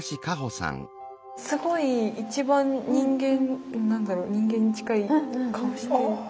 すごい一番何だろう人間に近い顔してますね。